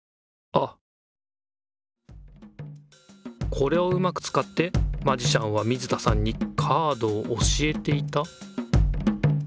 これをうまくつかってマジシャンは水田さんにカードを教えていた？